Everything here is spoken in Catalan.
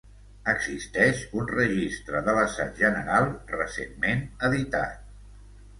Existeix un registre de l'assaig general, recentment editat.